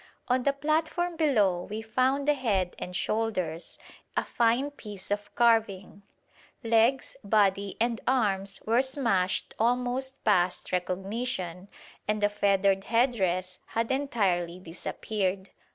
On the platform below we found the head and shoulders, a fine piece of carving: legs, body and arms were smashed almost past recognition, and the feathered headdress had entirely disappeared.